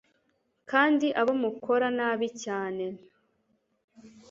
Kandi abo mukora nabi cyane